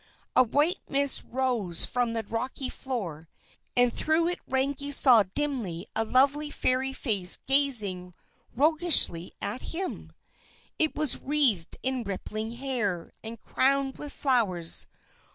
A white mist rose from the rocky floor, and through it Rangi saw dimly a lovely Fairy face gazing roguishly at him. It was wreathed in rippling hair, and crowned with flowers.